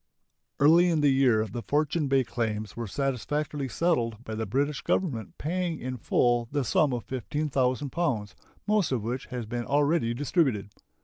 Early in the year the Fortune Bay claims were satisfactorily settled by the British Government paying in full the sum of 15,000 pounds, most of which has been already distributed.